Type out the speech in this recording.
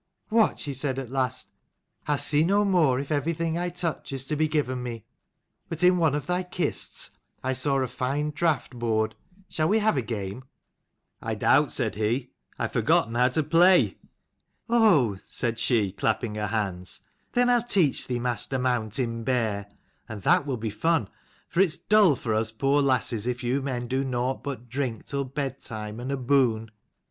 " What," she said at last, " I'll see no more if everything I touch is to be given me. But in one of thy kists, I saw a fine draught board. Shall we have a game ?" 162 CHAPTER XXVIII. WHITE ROSE AND RED. " I doubt," said he, " I have forgotten how to play." " Oh," said she, clapping her hands, " then I'll teach thee, master mountain bear: and that will be fun, for it's dull for us poor lasses if you men do nought but drink till bedtime and aboon."